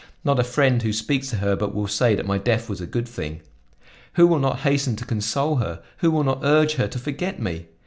Not a friend who speaks to her but will say that my death was a good thing. Who will not hasten to console her, who will not urge her to forget me!